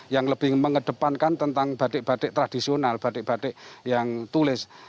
yang lebih mengedepankan tentang batik batik tradisional batik batik yang tulis